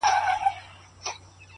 هره هڅه شخصیت پیاوړی کوي.!